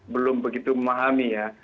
belum begitu memahami ya